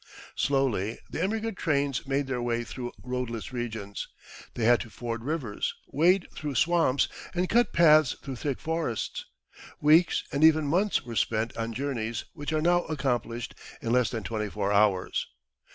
Slowly the emigrant trains made their way through roadless regions. They had to ford rivers, wade through swamps, and cut paths through thick forests. Weeks, and even months, were spent on journeys which are now accomplished in less than twenty four hours.